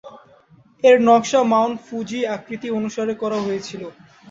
এর নকশা Mount Fuji আকৃতি অনুসারে করা হয়েছে।